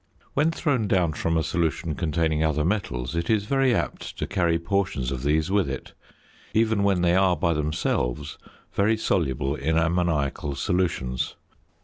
When thrown down from a solution containing other metals it is very apt to carry portions of these with it, even when they are by themselves very soluble in ammoniacal solutions.